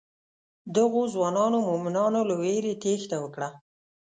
دغو ځوانو مومنانو له وېرې تېښته وکړه.